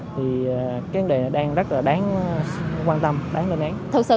thì cái vấn đề này đang rất là đáng quan tâm đáng lên án